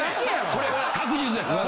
これは確実です。